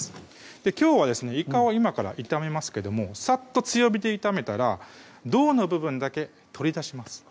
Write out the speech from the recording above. きょうはですねいかを今から炒めますけどもさっと強火で炒めたら胴の部分だけ取り出します